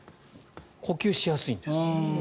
呼吸しやすいんですって。